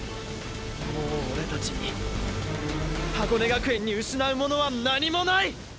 もうオレたちに箱根学園に失うものは何もない！！